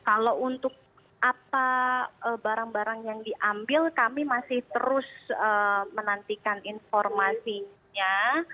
ada barang barang yang diambil kami masih terus menantikan informasinya